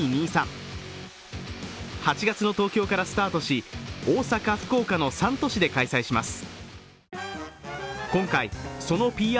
８月の東京からスタートし大阪、福岡の３都市で開催します。